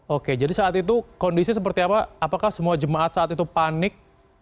oke jadi saat itu kondisi seperti apa apakah semua jemaat saat itu panik